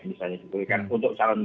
misalnya untuk calon calon